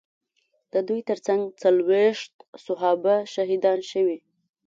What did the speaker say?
د دوی ترڅنګ څلوېښت صحابه شهیدان شوي.